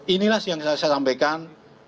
inilah yang saya sampaikan